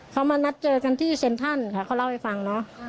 เขามานัดเจอกันที่เซ็นทรัลค่ะเขาเล่าให้ฟังเนอะ